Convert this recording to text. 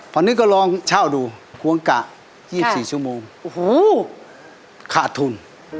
พอหนึ่งก็ลองเช่าดูควงกะ๒๔ชั่วโมงขาดทุน